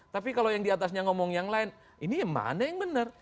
tapi kalau yang diatasnya ngomong yang lain ini mana yang benar